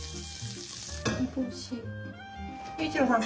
雄一郎さん